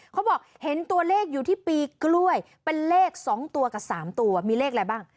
เขาบอกเห็นตัวเลขอยู่ที่ปีกล้วยเป็นเลข๒ตัวกับ๓ตัวมีเลขอะไรบ้าง